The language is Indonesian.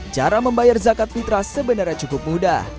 cara membayar zakat fitrah sebenarnya cukup mudah